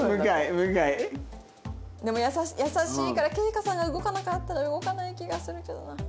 でも優しいから圭叶さんが動かなかったら動かない気がするけどな。